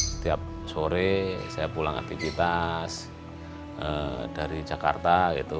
setiap sore saya pulang aktivitas dari jakarta gitu